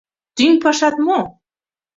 — Тӱҥ пашат мо?